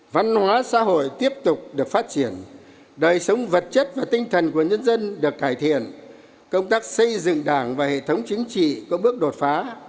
văn hóa xã hội tiếp tục được phát triển đời sống vật chất và tinh thần của nhân dân được cải thiện công tác xây dựng đảng và hệ thống chính trị có bước đột phá